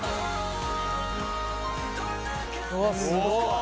うわすごい。